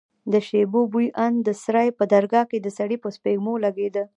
د شبيو بوى ان د سراى په درگاه کښې د سړي په سپږمو لگېده.